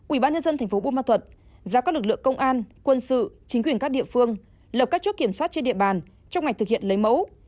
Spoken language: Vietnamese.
ủy ban nhân dân thành phố buôn ma thuật giao các lực lượng công an quân sự chính quyền các địa phương lập các chốt kiểm soát trên địa bàn trong ngày thực hiện lấy mẫu